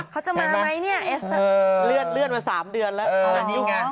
เขาจะมาไหมเนี่ยเลือดมา๓เดือนแล้ว